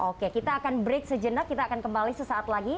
oke kita akan break sejenak kita akan kembali sesaat lagi